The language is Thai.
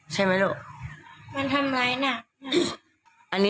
ทำไม